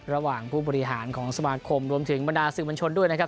ระหว่างผู้บริหารของสมาคมรวมถึงบรรดาสื่อมวลชนด้วยนะครับ